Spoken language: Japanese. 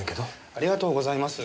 ありがとうございます。